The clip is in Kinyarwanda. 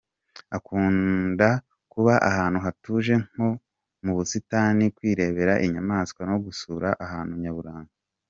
Akunda kuba ahantu hatuje nko mu busitani, kwirebera inyamaswa no gusura ahantu nyaburanga.